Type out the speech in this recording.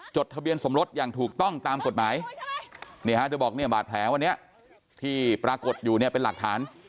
ทะเบียนสมรสอย่างถูกต้องตามกฎหมายนี่ฮะเธอบอกเนี่ยบาดแผลวันนี้ที่ปรากฏอยู่เนี่ยเป็นหลักฐาน